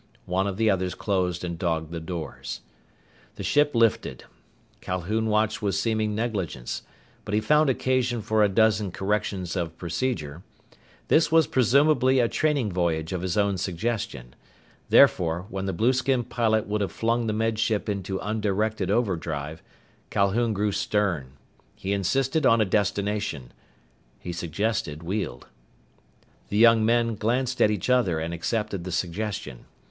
One of the others closed and dogged the doors. The ship lifted. Calhoun watched with seeming negligence. But he found occasion for a dozen corrections of procedure. This was presumably a training voyage of his own suggestion. Therefore, when the blueskin pilot would have flung the Med Ship into undirected overdrive, Calhoun grew stern. He insisted on a destination. He suggested Weald. The young men glanced at each other and accepted the suggestion.